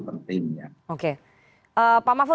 penting ya oke pak mafo